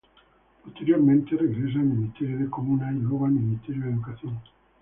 Posteriormente regresa al Ministerio de Comunas y luego al Ministerio de Educación.